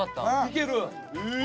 いける？へ！